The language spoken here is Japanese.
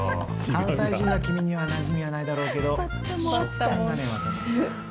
関西人の君にはなじみはないだろうけど、食感がね。